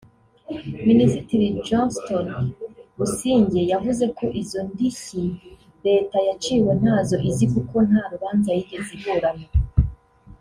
Minisitiri Johnston Busingye yavuze ko izo ndishyi leta yaciwe ntazo izi kuko nta rubanza yigeze iburana